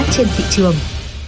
trên thị trường